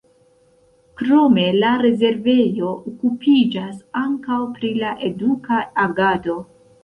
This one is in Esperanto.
Krome la rezervejo okupiĝas ankaŭ pri la eduka agado.